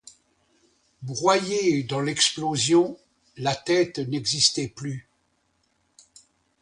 Broyée dans l'explosion, la tête n'existait plus.